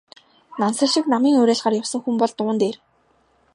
Нансал шиг намын уриалгаар явсан хүн бол дуун дээр...